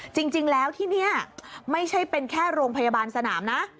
จริงแล้วที่นี่ไม่ใช่เป็นแค่โรงพยาบาลสนามนะ